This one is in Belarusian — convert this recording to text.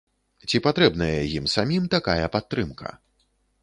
Ці патрэбная ім самім такая падтрымка.